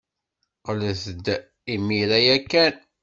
Qqlet-d imir-a ya kan.